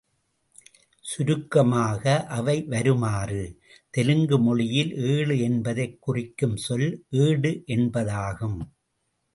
சுருக்கமாக அவை வருமாறு தெலுங்கு மொழியில் ஏழு என்பதைக் குறிக்கும் சொல் ஏடு என்பதாகும்.